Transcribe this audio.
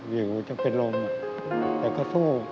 อยู่จนเป็นลมแต่ก็สู้